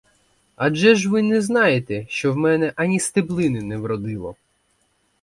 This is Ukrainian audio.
Адже ж і ви знаєте, що в мене ані стеблини не вродило!